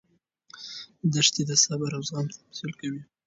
دښتې د صبر او زغم تمثیل کوي.